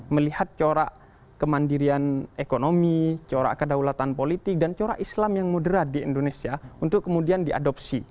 melihat corak kemandirian ekonomi corak kedaulatan politik dan corak islam yang moderat di indonesia untuk kemudian diadopsi